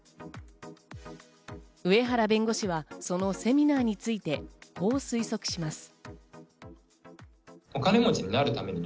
上原弁護士はそのセミナーについて、こう推測します。